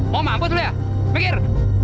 mau mampus lu ya pikir